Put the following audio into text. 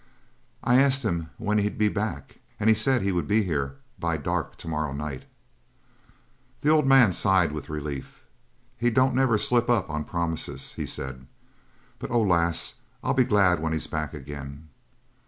"I asked him when he'd be back, and he said he would be here by dark to night." The old man sighed with relief. "He don't never slip up on promises," he said. "But oh, lass, I'll be glad when he's back again!